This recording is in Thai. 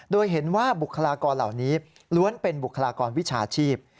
โดยเห็นว่าบุคลากรเหล่านี้ล้วนเป็นบุคลากรวิชาชีพ